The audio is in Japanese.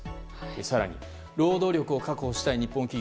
更に、労働力を確保したい日本企業